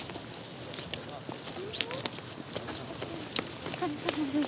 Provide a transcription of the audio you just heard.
お疲れさまです